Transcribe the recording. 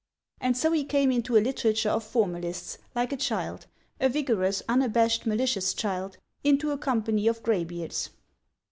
_ And so he came into a literature of formalists, like a child, a vigorous, unabashed, malicious child, into a company of greybeards.